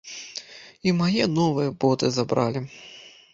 І мае новыя боты забралі.